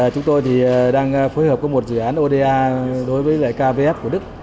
chúng tôi đang phối hợp với một dự án oda đối với kvf của đức